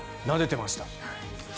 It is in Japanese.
なでてました。